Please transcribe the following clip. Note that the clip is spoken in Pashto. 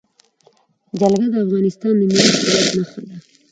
جلګه د افغانستان د ملي هویت نښه ده.